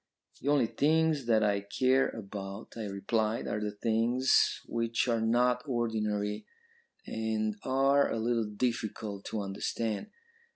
"'The only things that I care about,' I replied, 'are the things which are not ordinary, and are a little difficult to understand.